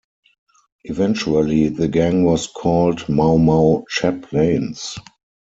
Eventually the gang was called Mau Mau Chaplains.